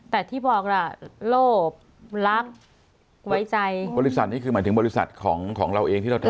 แต่ที่บอกล่ะโลภรักไว้ใจบริษัทนี่คือหมายถึงบริษัทของเราเองที่เราทำ